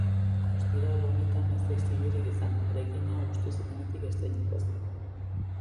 Ostiral honetan ez da istilurik izan, eraikina hustu zutenetik estreinakoz.